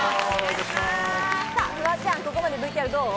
フワちゃん、ここまでＶＴＲどう？